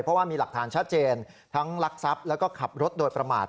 เพราะว่ามีหลักฐานชัดเจนทั้งลักทรัพย์แล้วก็ขับรถโดยประมาท